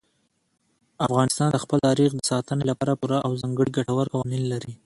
افغانستان د خپل تاریخ د ساتنې لپاره پوره او ځانګړي ګټور قوانین لري.